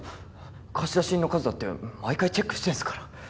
貸出品の数だって毎回チェックしてんすから。